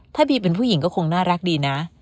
ถ้าบีเป็นผู้หญิงก็คงน่ารักดีนะ